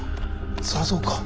そらそうか。